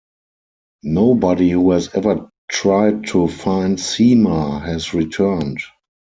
Nobody who has ever tried to find Seima has returned.